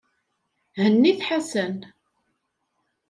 Hennit Ḥasan.